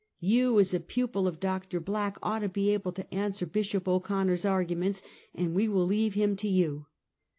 You, as a pupil of Dr. Black, ought to be able to answer Bishop O'Conner's arguments, and we will leave him to you.